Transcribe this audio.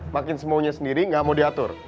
makin semuanya sendiri gak mau diatur